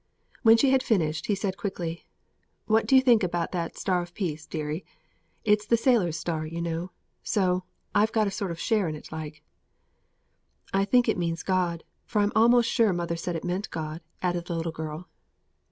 When she had finished, he said, quickly: "What do you think about that 'Star of Peace' deary? It's the sailor's star, you know, so I've got a sort of share in it like." "I think it means God. I'm a'most sure mother said it meant God," added the little girl.